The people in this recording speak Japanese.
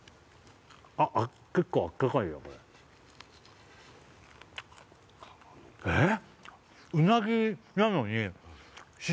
あっ結構あったかいなこれえ！？え！？